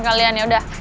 paman kalian ya udah